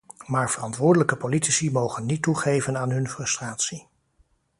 Maar verantwoordelijke politici mogen niet toegeven aan hun frustratie.